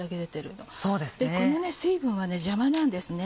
この水分は邪魔なんですね。